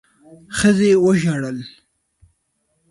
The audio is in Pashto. ښځې وژړل.